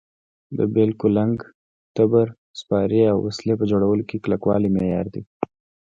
د بېل، کولنګ، تبر، سپارې او وسلې په جوړولو کې کلکوالی معیار دی.